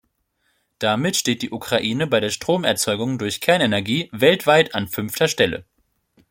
Damit steht die Ukraine bei der Stromerzeugung durch Kernenergie weltweit an fünfter Stelle.